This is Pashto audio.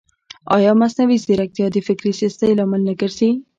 ایا مصنوعي ځیرکتیا د فکري سستۍ لامل نه ګرځي؟